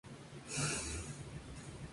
Una familia de peronistas.